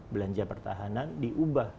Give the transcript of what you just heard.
belanja pertahanan diubah